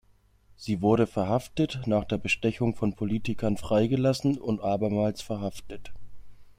Sie wurde verhaftet, nach der Bestechung von Politikern freigelassen und abermals verhaftet.